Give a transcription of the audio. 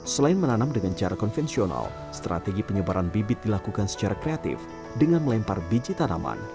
selain menanam dengan cara konvensional strategi penyebaran bibit dilakukan secara kreatif dengan melempar biji tanaman